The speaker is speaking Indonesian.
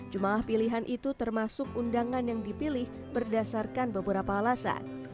jemaah pilihan itu termasuk undangan yang dipilih berdasarkan beberapa alasan